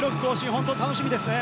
本当に楽しみですね。